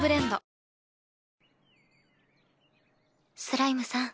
スライムさん。